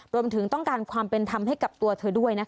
รวมถึงต้องการความเป็นธรรมให้กับตัวเธอด้วย